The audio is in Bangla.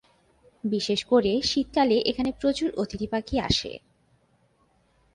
বিশেষ করে শীত কালে এখানে প্রচুর অতিথি পাখি আসে।